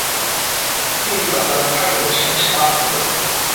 《秘密导弹》开头的声音是巴图的。